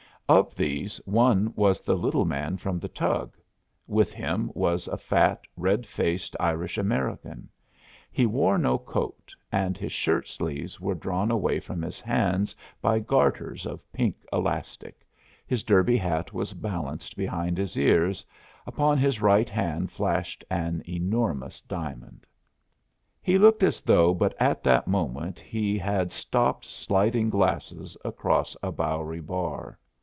Of these one was the little man from the tug. With him was a fat, red faced Irish American. He wore no coat and his shirt sleeves were drawn away from his hands by garters of pink elastic, his derby hat was balanced behind his ears, upon his right hand flashed an enormous diamond. He looked as though but at that moment he had stopped sliding glasses across a Bowery bar.